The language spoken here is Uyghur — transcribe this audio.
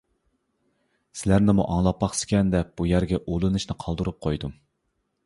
سىلەرنىمۇ ئاڭلاپ باقسىكەن دەپ بۇ يەرگە ئۇلىنىشىنى قالدۇرۇپ قويدۇم.